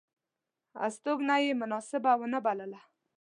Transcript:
هستوګنه یې مناسبه ونه بلله.